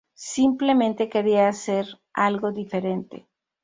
Simplemente quería hacer algo diferente".